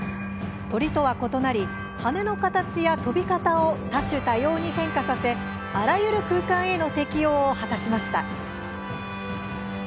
鳥とは異なり、羽の形や飛び方を多種多様に変化させあらゆる空間への適応を果たしました。